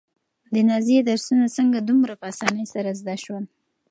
د نازيې درسونه څنګه دومره په اسانۍ سره زده شول؟